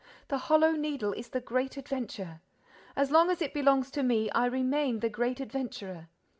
The Hollow Needle is the great adventure. As long as it belongs to me, I remain the great adventurer.